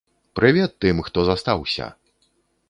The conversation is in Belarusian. Прывет тым, хто застаўся!